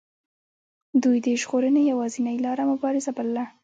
دوی د ژغورنې یوازینۍ لار مبارزه بلله.